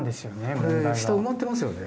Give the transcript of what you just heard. これ下埋まってますよね。